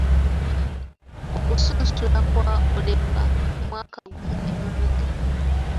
Okusunsula kwakolebwa omwaka gumu emabega.